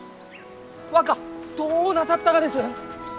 若どうなさったがです！？